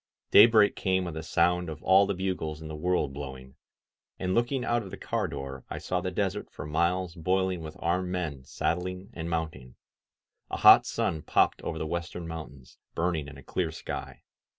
••• Daybreak came with a sound of all the bugles in the world blowing; and looking out of the car door I saw the desert for miles boiling with armed, men saddling and mounting. A hot sun popped over the western mountains, burning in a clear sky.